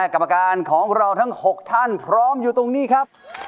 กรรมการของเราทั้ง๖ท่านพร้อมอยู่ตรงนี้ครับ